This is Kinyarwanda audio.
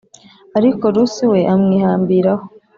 Ariko Rusi we amwihambiraho